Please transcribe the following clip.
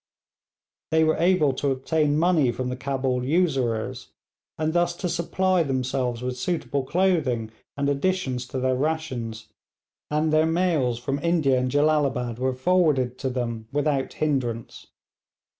They were able to obtain money from the Cabul usurers, and thus to supply themselves with suitable clothing and additions to their rations, and their mails from India and Jellalabad were forwarded to them without hindrance.